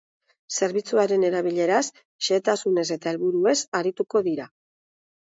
Zerbitzuaren erabileraz, xehetasunez eta helburuez arituko dira.